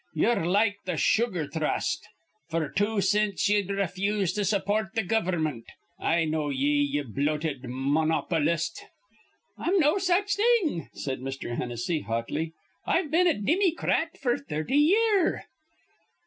Ye're like th' Sugar Thrust. F'r two cints ye'd refuse to support th' govermint. I know ye, ye bloated monno polist." "I'm no such thing," said Mr. Hennessy, hotly. "I've been a Dimmycrat f'r thirty year."